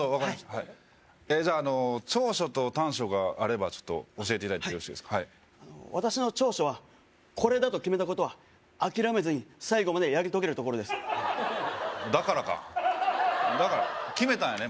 はいえっじゃああの長所と短所があればちょっと教えていただいてよろしいですかあの私の長所はこれだと決めたことは諦めずに最後までやり遂げるところですだからかだから決めたんやね